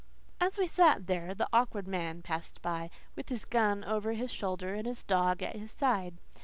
As we sat there the Awkward Man passed by, with his gun over his shoulder and his dog at his side.